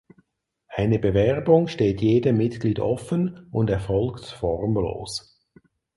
Eine Bewerbung steht jedem Mitglied offen und erfolgt formlos.